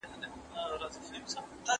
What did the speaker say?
د خپلو نه پردي ښه وي، د پردو نه اپريدي ښه وي.